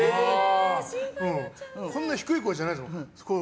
こんな低い声じゃないもん。